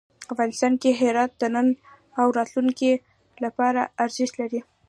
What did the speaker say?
افغانستان کې هرات د نن او راتلونکي لپاره ارزښت لري.